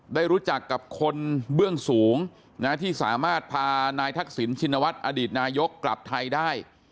ได้รู้จักกับคนเบื้องสูงที่สามารถพานายทักษิณชินวัฒน์อดีตนายกกลับไทยได้